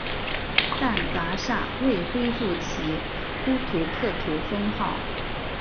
但噶厦未恢复其呼图克图封号。